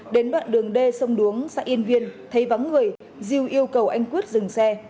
đến đoạn đường d sông đuống xã yên viên thấy vắng người diêu yêu cầu anh quyết dừng xe